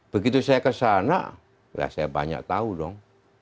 begitu saya kesana saya banyak tahu dong